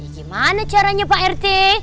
gimana caranya pak rt